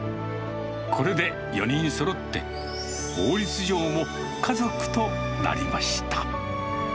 これで、４人そろって、法律上も家族となりました。